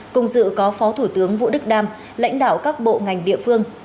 cùng dự có phó thủ tướng vũ đức đam lãnh đạo các bộ ngành địa phương